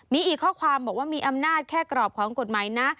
มีอีกข้อความบอกว่ามีอำนาจแค่กรอบของกฎหมายนะ